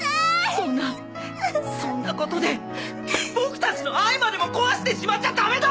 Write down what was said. そんなそんなことでボクたちの愛までも壊してしまっちゃダメだ！